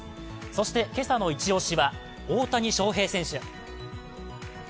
そして今朝のイチ押しは大谷翔平選手。